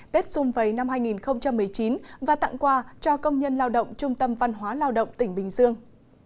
tết dung vầy năm hai nghìn một mươi chín và tặng quà cho công nhân lao động trung tâm văn hóa lao động tỉnh bình dương